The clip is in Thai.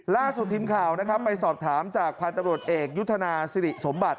ล่าสุดทิมข่าวไปสอบถามจากพาตรวจเอกยุทธนาศิริสมบัติ